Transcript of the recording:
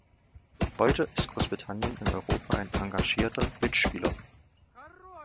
Heute ist Großbritannien in Europa ein engagierter Mitspieler.